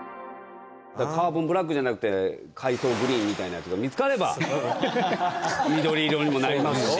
カーボンブラックじゃなくて海草グリーンみたいなやつが見つかれば緑色にもなりますし。